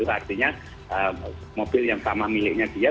artinya mobil yang sama miliknya dia